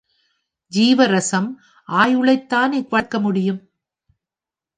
ஜீவரசம் ஆயுளைத்தானே வளர்க்க முடியும்.